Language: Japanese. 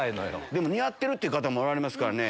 でも似合ってるって方もおられますからね。